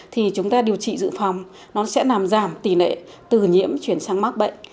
thì chúng ta điều trị dự phòng nó sẽ làm giảm tỷ lệ từ nhiễm chuyển sang mắc bệnh